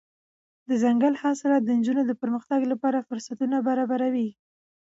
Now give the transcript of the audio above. دځنګل حاصلات د نجونو د پرمختګ لپاره فرصتونه برابروي.